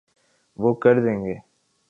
وہ کر دیں گے۔